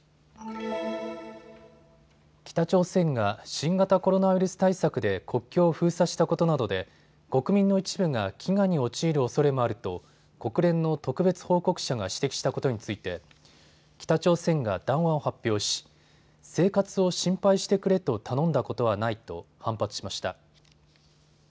北朝鮮が新型コロナウイルス対策で国境を封鎖したことなどで国民の一部が飢餓に陥るおそれもあると国連の特別報告者が指摘したことについて北朝鮮が談話を発表し生活を心配してくれと頼んだことはないと反発しました。